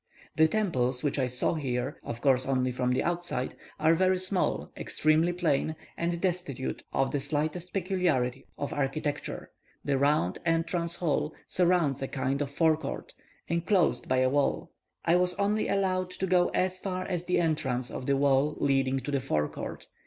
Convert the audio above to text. The temples which I saw here, of course only from the outside, are very small, extremely plain, and destitute of the slightest peculiarity of architecture; the round entrance hall surrounds a kind of fore court, enclosed by a wall. I was only allowed to go as far as the entrance of the wall leading to the fore court.